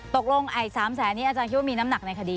๓แสนนี้อาจารย์คิดว่ามีน้ำหนักในคดี